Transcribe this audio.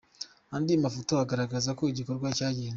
Andi mafoto agaragaza uko igikorwa cyagenze.